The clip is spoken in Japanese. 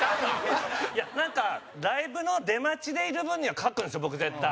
なんかライブの出待ちでいる分には書くんですよ、僕、絶対。